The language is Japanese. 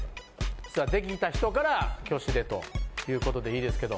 さあできた人から挙手でということでいいですけど。